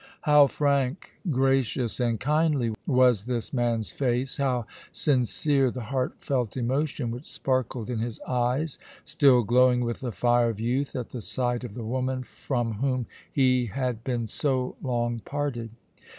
How frank, gracious, and kindly was this man's face, how sincere the heart felt emotion which sparkled in his eyes, still glowing with the fire of youth, at the sight of the woman from whom he had been so long parted!